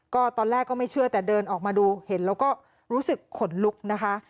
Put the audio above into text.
ก็ตอนแรกก็ไม่เชื่อแต่เดินออกมาดูเห็นแล้วก็รู้สึกขนลุกนะคะ